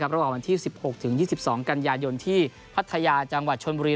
ระหว่างวันที่๑๖ถึง๒๒กันยายนที่พัทยาจังหวัดชนบุรี